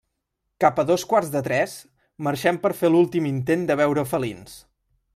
Cap a dos quarts de tres, marxem per fer l'últim intent de veure felins.